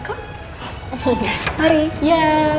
mending aku telpon ke rina sekarang